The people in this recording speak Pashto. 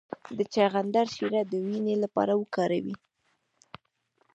د چغندر شیره د وینې لپاره وکاروئ